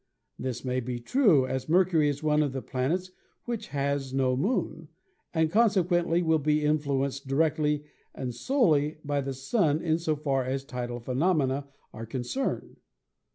This may be true, as Mercury is one of the planets which has no Moon and consequently will be influenced directly and solely by the Sun in so far as tidal phenomena are concerned.